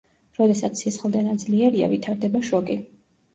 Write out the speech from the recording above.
როდესაც სისხლდენა ძლიერია, ვითარდება შოკი.